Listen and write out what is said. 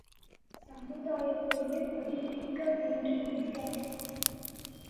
சமுதாயத்தையே படிப்பிக்க வேண்டும் என்றார்.